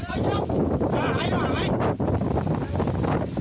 นี่คือนาธิชีวิตจริงคุณผู้ชมครับทะเลเกือบกลืนห้าชีวิตนี้ไปแล้ว